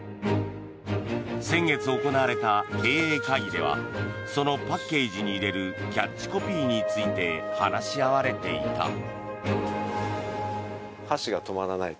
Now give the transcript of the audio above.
先月行われた経営会議ではそのパッケージに入れるキャッチコピーについて話し合われていた。